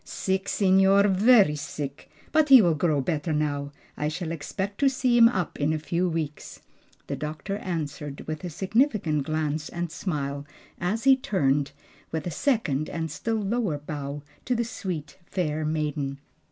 "Sick, signor, very sick, but he will grow better now. I shall expect to see him up in a few weeks," the doctor answered with a significant glance and smile as he turned, with a second and still lower bow, to the sweet, fair maiden.